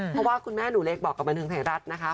เพราะว่าคุณแม่หนูเล็กบอกกับบันเทิงไทยรัฐนะคะ